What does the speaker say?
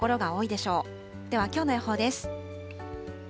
ではきょうの予報です。